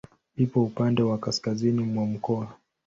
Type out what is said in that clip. Ipo upande wa kaskazini mwa mkoa.